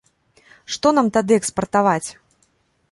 Што нам тады экспартаваць?!